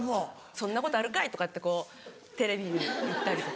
「そんなことあるかい！」とかってテレビに言ったりとか。